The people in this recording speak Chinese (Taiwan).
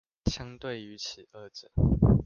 相對於此二者